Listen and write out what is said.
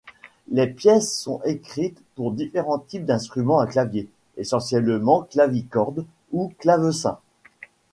Les pièces sont écrites pour différents types d'instruments à clavier, essentiellement clavicorde ou clavecin.